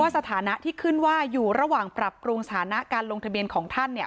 สถานะที่ขึ้นว่าอยู่ระหว่างปรับปรุงสถานะการลงทะเบียนของท่าน